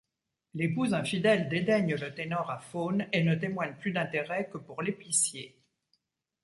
L'épouse infidèle dédaigne le ténor aphone et ne témoigne plus d'intérêt que pour l'épicier.